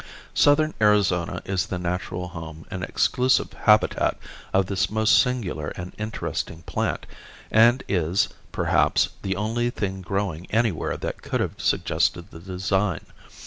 Southern Arizona is the natural home and exclusive habitat of this most singular and interesting plant and is, perhaps, the only thing growing anywhere that could have suggested the design.